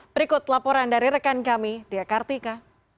berikut laporan dari rekan kami dea kartika